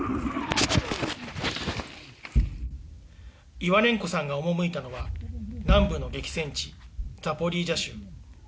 イワネンコさんが赴いたのは南部の激戦地、ザポリージャ州。